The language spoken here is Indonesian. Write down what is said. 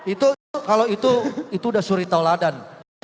itu kalau itu udah suri tauladan